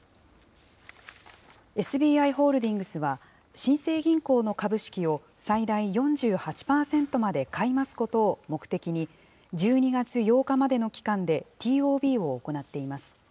ＳＢＩホールディングスは、新生銀行の株式を最大４８％まで買い増すことを目的に、１２月８日までの期間でＴＯＢを行っています。